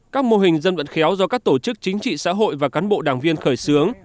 các mô hình dân vận khéo do các tổ chức chính trị xã hội và cán bộ đảng viên khởi xướng